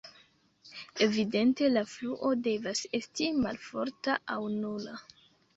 Evidente la fluo devas esti malforta aŭ nula.